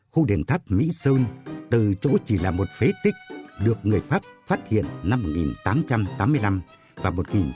khu đền tháp mỹ sơn từ chỗ chỉ là một phế tích được người pháp phát hiện năm một nghìn tám trăm tám mươi năm và một nghìn chín trăm tám mươi